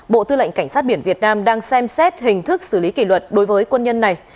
bộ tư lệnh cảnh sát biển việt nam đang xem xét hình thức xử lý kỷ luật đối với quân nhân này